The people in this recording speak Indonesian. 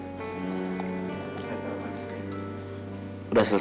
udah selesai sarapannya